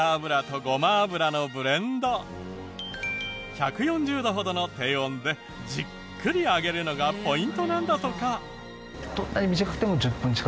１４０度ほどの低温でじっくり揚げるのがポイントなんだとか。